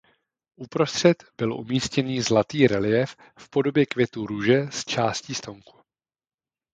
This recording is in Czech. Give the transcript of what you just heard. Uprostřed byl umístěn zlatý reliéf v podobě květu růže s částí stonku.